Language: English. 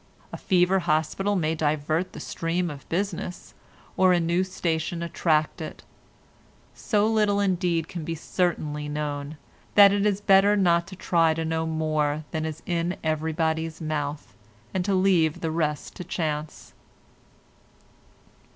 A fever hospital may divert the stream of business, or a new station attract it; so little, indeed, can be certainly known, that it is better not to try to know more than is in everybody's mouth, and to leave the rest to chance.